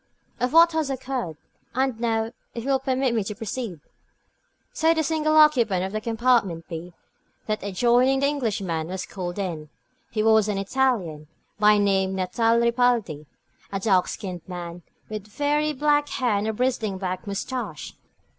"Of what has occurred. And now, if you will permit me to proceed?" So the single occupant of the compartment b, that adjoining the Englishmen, was called in. He was an Italian, by name Natale Ripaldi; a dark skinned man, with very black hair and a bristling black moustache.